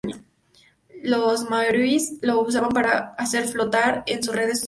Los maoríes la usaban para hacer flotar sus redes de pesca.